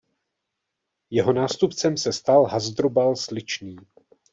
Jeho nástupcem se stal Hasdrubal Sličný.